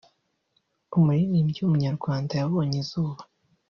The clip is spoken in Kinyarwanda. umuririmbyi w’umunyarwanda yabonye izuba